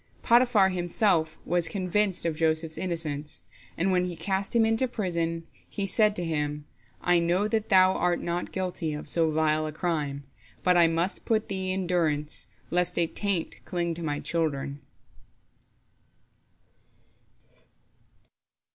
" Potiphar himself was convinced of Joseph's innocence, and when he cast him into prison, he said to him, "I know that thou art not guilty of so vile a crime, but I must put thee in durance, lest a taint cling to my children."